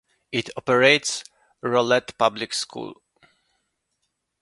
It operates Rolette Public School.